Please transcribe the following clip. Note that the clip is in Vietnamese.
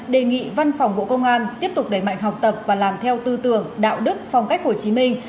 đề nghị văn phòng bộ công an tiếp tục đẩy mạnh học tập và làm theo tư tưởng đạo đức phong cách hồ chí minh